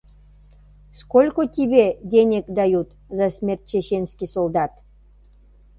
Сколько тибэ денег дают за смерть чеченский солдат?